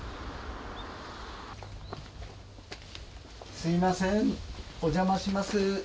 すいませんおじゃまします。